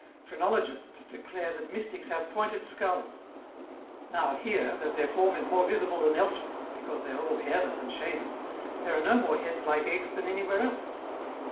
Phrenologists declare that mystics have pointed skulls ; now here that their form is more visible than else where, because they are all hairless and shaven, there are no more heads like eggs than anywhere else.